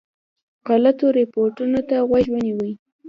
غلطو رپوټونو ته غوږ ونیوی.